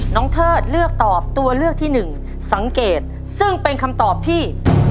เทิดเลือกตอบตัวเลือกที่หนึ่งสังเกตซึ่งเป็นคำตอบที่